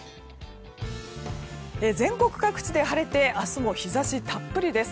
全国各地で晴れて明日も日差したっぷりです。